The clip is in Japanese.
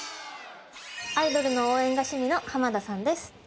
アイドルの応援が趣味の濱田さんです。